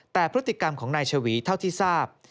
แต่พฤติกรรมของนายชวีเท่าที่ทราบ